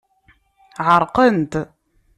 Ɛerqent.